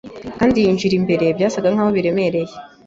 Kandi ninjiye imbere byasaga naho biremereye